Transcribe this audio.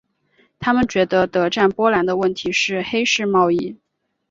他们觉得德占波兰的问题是黑市贸易。